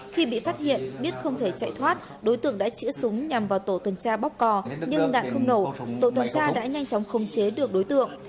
khi bị phát hiện biết không thể chạy thoát đối tượng đã chỉa súng nhằm vào tổ tuần tra bóc cò nhưng đạn không nổ tổ tuần tra đã nhanh chóng khống chế được đối tượng